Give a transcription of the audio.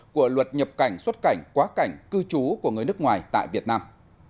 của luật nhập cảnh xuất cảnh quá cảnh cư trú của người nước ngoài tại việt nam